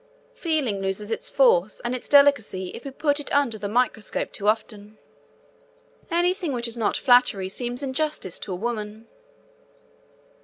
Feeling loses its force and its delicacy if we put it under the microscope too often. Anything which is not flattery seems injustice to a woman.